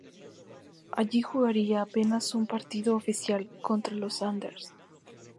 Allí jugaría apenas un partido oficial, contra Los Andes.